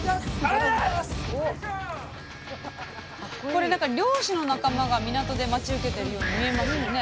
これなんか漁師の仲間が港で待ち受けてるように見えますよね？